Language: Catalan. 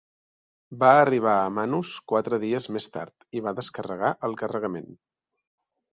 Va arribar a Manus quatre dies més tard i va descarregar el carregament.